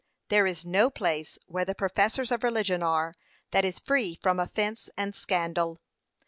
There is no place where the professors of religion are, that is free from offence and scandal.